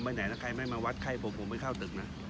ผมไปไหนแล้วใครไม่มาวัดไข้ผมผมไปเข้าตึกนะ